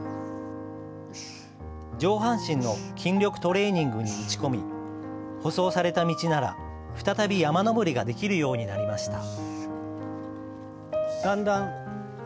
上半身の筋力トレーニングに打ち込み、舗装された道なら再び山登りができるようになりました。